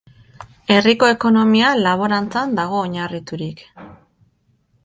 Herriko ekonomia laborantzan dago oinarriturik.